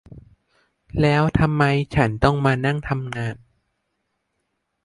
แล้วทำไมฉันต้องมานั่งทำงาน